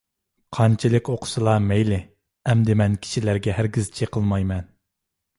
قانچىلىك ئوقۇسىلا مەيلى. ئەمدى مەن كىشىلەرگە ھەرگىز چېقىلمايمەن.